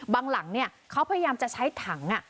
บางหลังเนี่ยเขาพยายามจะใช้ถังอ่ะ